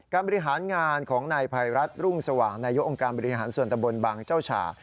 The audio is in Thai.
บริหารงานของนายภัยรัฐรุ่งสว่างนายกองค์การบริหารส่วนตะบนบางเจ้าฉ่า